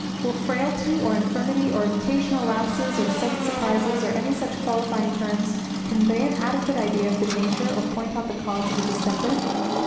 will frailty or infirmity, or occasional lapses, or sudden surprisals, or any such qualifying terms, convey an adequate idea of the nature, or point out the cause of the distemper?